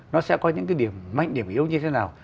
nó sẽ có những cái điểm mạnh điểm yếu như thế nào